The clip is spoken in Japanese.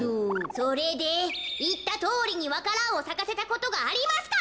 それでいったとおりにわか蘭をさかせたことがありますか？